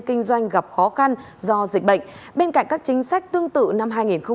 kinh doanh gặp khó khăn do dịch bệnh bên cạnh các chính sách tương tự năm hai nghìn hai mươi